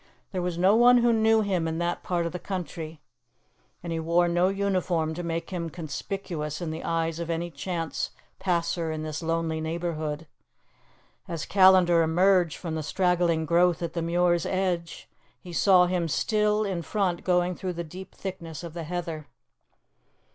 There was no one who knew him in that part of the country, and he wore no uniform to make him conspicuous in the eyes of any chance passer in this lonely neighbourhood. As Callandar emerged from the straggling growth at the Muir's edge, he saw him still in front going through the deep thickness of the heather.